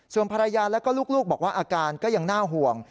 ส่วนภรรยาแล้วก็ลูกบอกว่าอาการก็ยังน่าห่วง